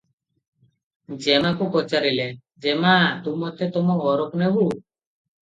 ଯେମାକୁ ପଚାରିଲେ- ଯେମା! ତୁ ମୋତେ ତମ ଘରକୁ ନେବୁ?